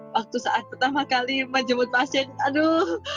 waktu saat pertama kali menjemput pasien aduh